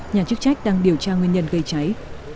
nhà chức trách đang điều tra nguyên nhân gây cháy